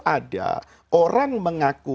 ada orang mengaku